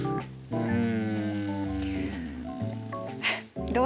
うん。